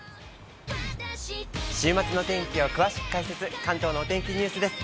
週末の天気を詳しく解説、関東のお天気ニュースです。